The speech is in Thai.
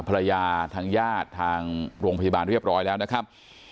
ภรรยาทางญาติทางโรงพยาบาลเรียบร้อยแล้วนะครับ